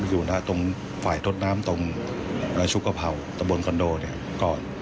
อยู่ตรงฝ่ายทดน้ำตรงชุกกะเผ่าตะบนคอนโดเนี่ยก่อน